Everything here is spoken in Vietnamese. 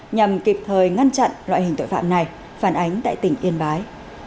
nhằm kịp thời ngăn chặn loại hình tội phạm này phản ánh tại tỉnh yên bái